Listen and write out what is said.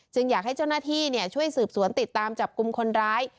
อยากให้เจ้าหน้าที่ช่วยสืบสวนติดตามจับกลุ่มคนร้าย